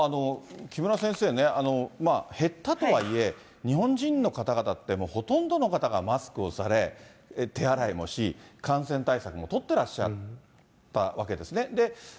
木村先生ね、減ったとはいえ、日本人の方々って、もうほとんどの方がマスクをされ、手洗いもし、感染対策も取ってらっしゃったわけですね。